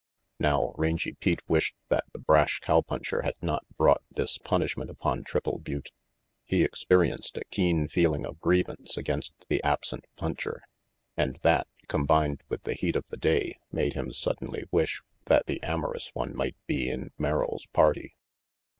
Now, Rangy Pete wished that the brash cow puncher had not brought this punishment upon Triple Butte. He experienced a keen feeling of grievance against the absent puncher, and that, combined with the heat of the day, made him sud denly wish that the amorous one might be in Merrill's party.